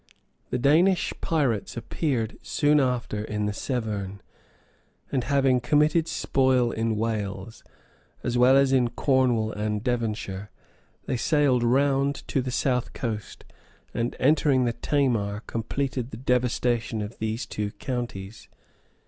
The Danish pirates appeared soon after in the Severn; and having committed spoil in Wales, as well as in Cornwall and Devonshire, they sailed round to the south coast, and entering the Tamar, completed the devastation of these two counties.